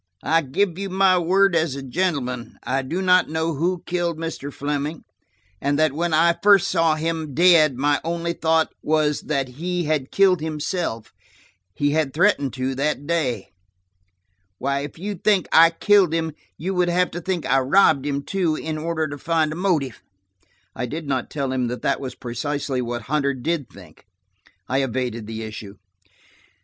"I give you my word as a gentleman–I do not know who killed Mr. Fleming, and that when I first saw him dead, my only thought was that he had killed himself. He had threatened to, that day. Why, if you think I killed him, you would have to think I robbed him, too, in order to find a motive." I did not tell him that that was precisely what Hunter did think. I evaded the issue.